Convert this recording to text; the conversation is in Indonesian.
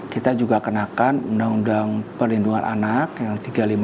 kita juga kenakan undang undang perlindungan anak yang tiga puluh lima dua ribu empat belas